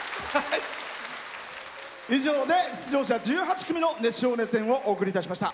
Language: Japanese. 以上で出場者１８組の熱唱・熱演をお送りいたしました。